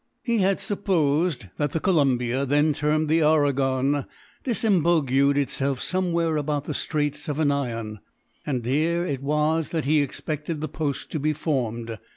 He had supposed that the Columbia, then termed the Oregon, disembogued itself somewhere about the straits of Annian; and it was here that he expected the post to be formed.